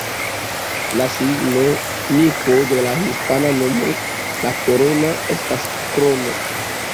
La signifo de la hispana nomo ""La Corona"" estas ""Krono"".